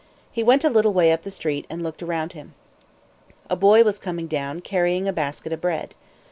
He went a little way up the street, and looked around him. A boy was coming down, carrying a basket of bread.